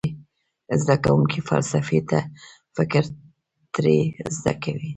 زده کوونکي فلسفي فکر ترې زده کوي.